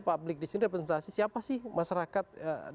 publik disini representasi siapa sih masyarakat